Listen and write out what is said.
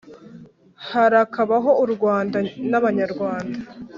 harakabaho u rwanda n’abanyarwanda